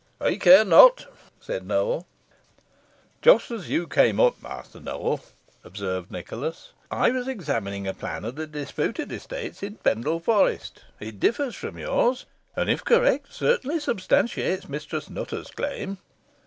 "I care not," said Nowell. "Just as you came up, Master Nowell," observed Nicholas, "I was examining a plan of the disputed estates in Pendle Forest. It differs from yours, and, if correct, certainly substantiates Mistress Nutter's claim."